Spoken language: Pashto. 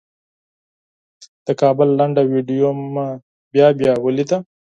د کابل لنډه ویډیو مې بیا بیا ولیده.